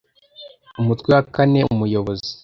umutwe wa kane umuyobozi